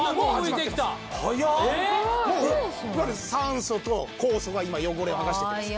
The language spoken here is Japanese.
いわゆる酸素と酵素が今汚れを剥がしてくれます